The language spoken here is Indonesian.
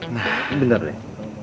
nah bentar deh